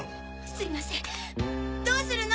すいませんどうするの？